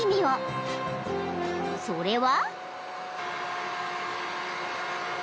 ［それは］